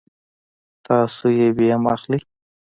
تاسو آی بي ایم اخلئ